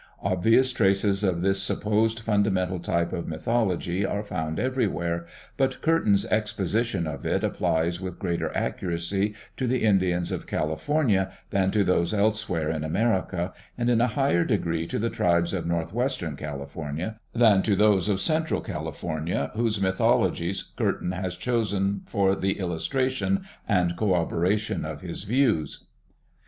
Obvious traces of this supposed fundamental type of mythology are found everywhere, but Curtin's exposition of it applies with greater accuracy to the Indians of California than to those elsewhere in America, and in a higher degree to the tribes of northwestern California than to those of central Cali fornia whose mythologies Curtin has chosen for the illustration and corroboration of his views.